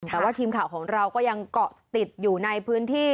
แต่ว่าทีมข่าวของเราก็ยังเกาะติดอยู่ในพื้นที่